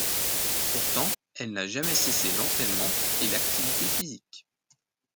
Pourtant, elle n'a jamais cessé l'entraînement et l'activité physique.